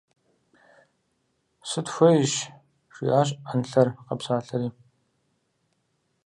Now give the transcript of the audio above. – Сытхуейщ! – жиӀащ Ӏэнлъэр къэпсалъэри.